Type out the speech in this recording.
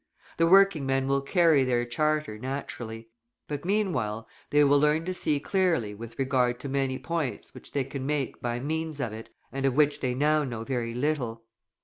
The working men will carry their Charter, naturally; but meanwhile they will learn to see clearly with regard to many points which they can make by means of it and of which they now know very little.